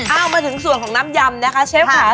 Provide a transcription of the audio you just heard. เอามาถึงส่วนของน้ำยำนะคะเชฟค่ะ